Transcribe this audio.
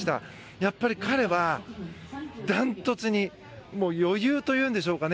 やっぱり彼は断トツに余裕というんでしょうかね。